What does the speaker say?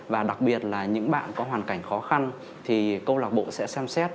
và đặc biệt là những bạn có hoàn cảnh khó khăn thì câu lạc bộ sẽ xem xét